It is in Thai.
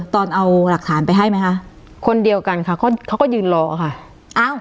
ตอนเอาหลักฐานไปให้ไหมคะคนเดียวกันค่ะเขาเขาก็ยืนรอค่ะอ้าว